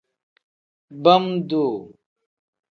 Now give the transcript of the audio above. Bam-duu.